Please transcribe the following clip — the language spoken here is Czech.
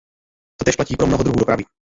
Totéž platí pro mnoho druhů dopravy.